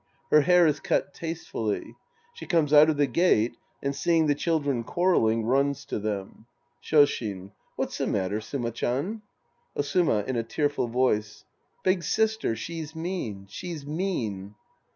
Her hair is cut tastefully. She comes out of the gate and, seeing the children quarrel ing, runs to them) Shoshin. What's the matter ? Suma Chan. Osuma (in a tearful voice). Big sister. She's mean. She's mean.